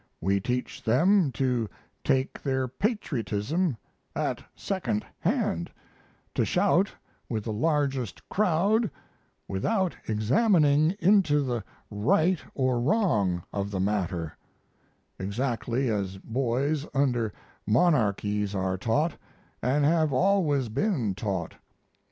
We teach them to take their patriotism at second hand; to shout with the largest crowd without examining into the right or wrong of the matter exactly as boys under monarchies are taught and have always been taught.